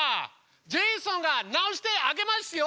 ジェイソンが直してあげますよ！